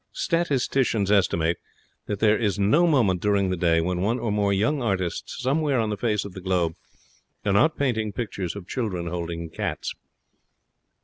Statisticians estimate that there is no moment during the day when one or more young artists somewhere on the face of the globe are not painting pictures of children holding cats.